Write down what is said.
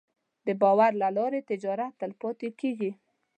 د باور له لارې تجارت تلپاتې کېږي.